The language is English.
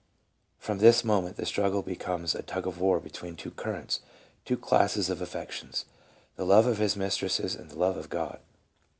From this moment the struggle becomes a tug of war between two currents, two classes of affections : the love of his mis tresses and the love of God.